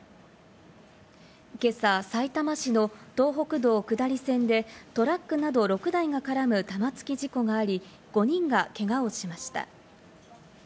今朝、さいたま市の東北道下り線でトラックなど６台が絡む玉突き事故があり、５人がけがをしました。